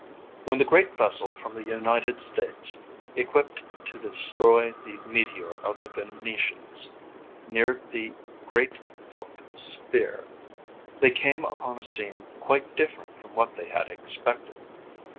When the great vessel from the United States, equipped to destroy the meteor of the Venetians, neared the great thoque sphere, they came upon a scene quite different from what they had expected.